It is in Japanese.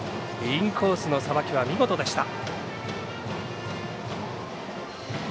インコースのさばきは見事でした。